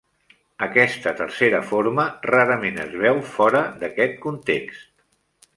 Aquesta tercera forma rarament es veu fora d'aquest context.